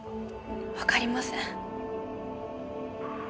わかりません。